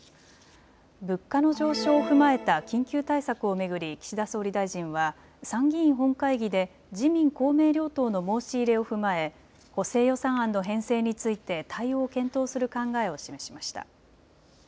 物価の上昇を踏まえた緊急対策を巡り岸田総理大臣は参議院本会議で自民公明両党の申し入れを踏まえ補正予算案の編成について対応を検討する考えを示しました。